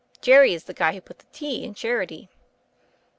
Jerry is the guy who put the tea in charity."